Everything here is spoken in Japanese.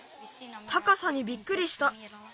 たかさにびっくりした。